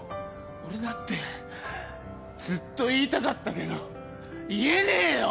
俺だってずっと言いたかったけど言えねえよ！